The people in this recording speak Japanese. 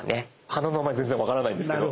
花の名前全然分からないんですけど。